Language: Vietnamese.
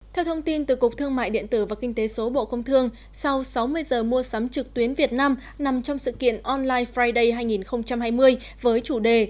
theo thông tin từ cục thương mại điện tử và kinh tế số bộ công thương sau sáu mươi giờ mua sắm trực tuyến việt nam nằm trong sự kiện online friday hai nghìn hai mươi với chủ đề